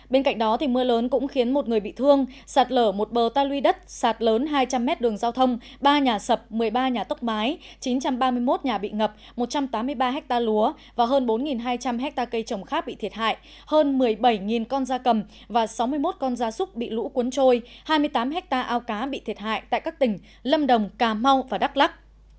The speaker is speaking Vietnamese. bên cạnh đó mưa lớn cũng khiến một người bị thương sạt lở một bờ ta luy đất sạt lớn hai trăm linh m đường giao thông ba nhà sập một mươi ba nhà tốc mái chín trăm ba mươi một nhà bị ngập một trăm tám mươi ba ha lúa và hơn bốn hai trăm linh ha cây trồng khác bị thiệt hại hơn một mươi bảy con da cầm và sáu mươi một con da súc bị lũ cuốn trôi hai mươi tám ha ao cá bị thiệt hại tại các tỉnh lâm đồng cà mau và đắk lắc